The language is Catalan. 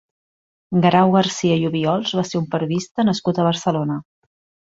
Guerau Garcia i Obiols va ser un periodista nascut a Barcelona.